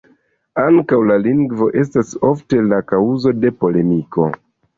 Ankaŭ la lingvo estas ofte la kaŭzo de polemiko.